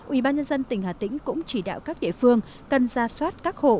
ủy ban nhân dân tỉnh hà tĩnh cũng chỉ đào các địa phương cần ra soát các hộ